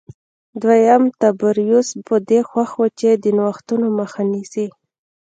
دویم تبریوس په دې خوښ و چې د نوښتونو مخه نیسي